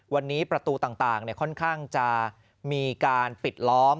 วันนี้ประตูต่างค่อนข้างจะมีการปิดล้อม